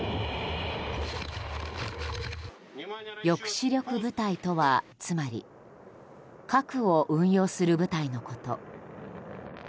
抑止力部隊とは、つまり核を運用する部隊のこと。